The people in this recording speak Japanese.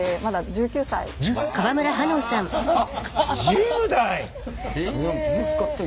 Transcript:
１０代！？